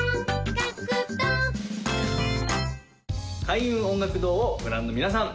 開運音楽堂をご覧の皆さん